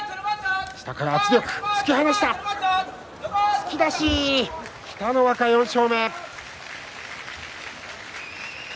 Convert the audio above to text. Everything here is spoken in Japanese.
突き出し、北の若、４勝目。